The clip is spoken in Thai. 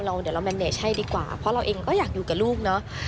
เดี๋ยวเราแมมเดชให้ดีกว่าเพราะเราเองก็อยากอยู่กับลูกเนอะ